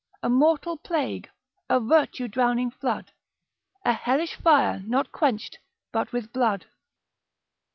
A mortal plague, a virtue drowning flood, A hellish fire not quenched but with blood.